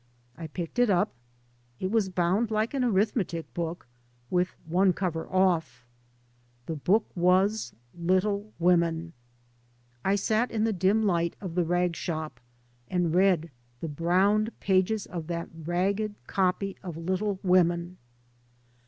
I picked it up. It was bound tike an arithmetic book, with one cover ofi. The book was " Little Women." I sat in the dim light of the rag shop and read the browned pages of that ragged copy of " Little Women."